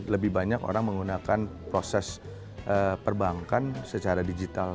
lebih banyak orang menggunakan proses perbankan secara digital